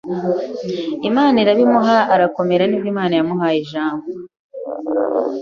Imana irabimuha arakomera Nibwo Imana yamuhaye ijambo